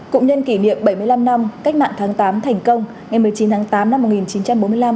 cụng nhân kỷ niệm bảy mươi năm năm cách mạng tháng tám thành công